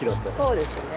そうですね。